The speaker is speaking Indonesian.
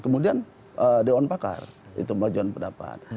kemudian dewan pakar melakukan pendapat